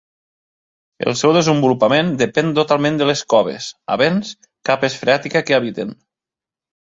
El seu desenvolupament depèn totalment de les coves, avens, capes freàtica que habiten.